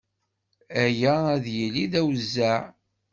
Aya ad yili d awezzeɛ.